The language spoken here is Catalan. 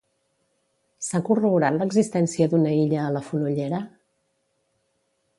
S'ha corroborat l'existència d'una illa a la Fonollera?